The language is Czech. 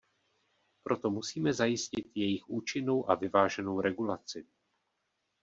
Proto musíme zajistit jejich účinnou a vyváženou regulaci.